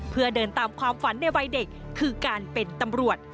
เพื่อเดินตามความฝันในวัยเด็กคือการเป็นตำรวจ